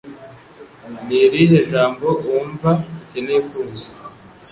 Nirihe jambo wumva ukeyene kumva?